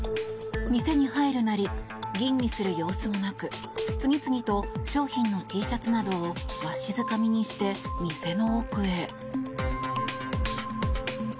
店に入るなり吟味する様子もなく次々と商品のＴシャツなどをわしづかみにして店の奥へ。